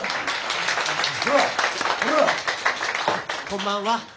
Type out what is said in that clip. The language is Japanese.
こんばんは。